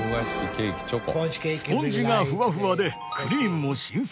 スポンジがふわふわでクリームも新鮮。